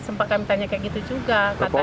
sempat kami tanya kayak gitu juga